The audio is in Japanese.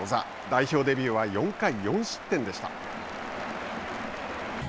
代表デビューは４回４失点でした。